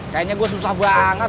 kayaknya gua susah banget